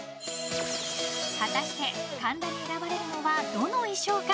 果たして、神田に選ばれるのはどの衣装か。